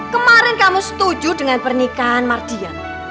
kemarin kamu setuju dengan pernikahan mardian